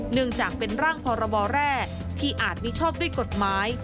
เนื่องจากเป็นร่างพรบแรกที่อาจมิชอบด้วยกฎหมาย